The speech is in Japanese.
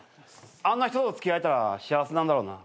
あんな人と付き合えたら幸せなんだろうな。